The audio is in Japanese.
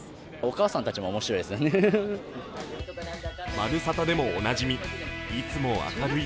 「まるサタ」でもおなじみいつも明るい